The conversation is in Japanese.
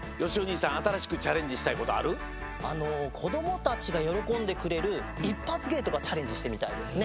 あのこどもたちがよろこんでくれる一発げいとかチャレンジしてみたいですね。